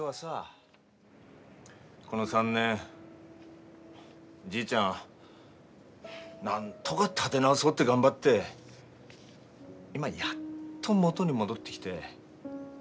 この３年、じいちゃんなんとか立て直そうって頑張って今やっと元に戻ってきて。